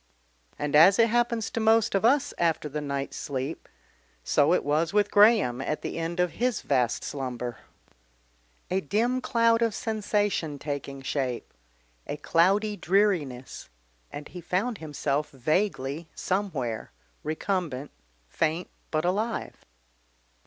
And as it happens to most of us after the night's sleep, so it was with Graham at the end of his vast slumber. A dim cloud of sensation taking shape, a cloudy dreariness, and he found himself vaguely somewhere, recumbent, faint, but alive.